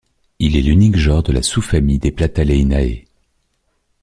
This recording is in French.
Il est l'unique genre de la sous-famille des Plataleinae.